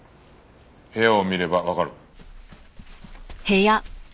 部屋を見ればわかる。